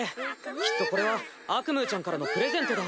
きっとこれはアクムーちゃんからのプレゼントだ！